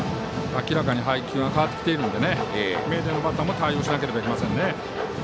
明らかに配球が変わってきていますので名電のバッターも対応しなければなりませんね。